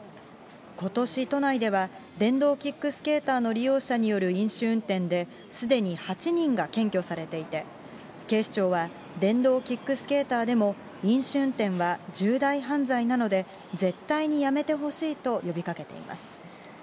ことし、都内では電動キックスケーターの利用者による飲酒運転で、すでに８人が検挙されていて、警視庁は、電動キックスケーターでも、飲酒運転は重大犯罪なので、絶対にやめてほしいと呼びかけています。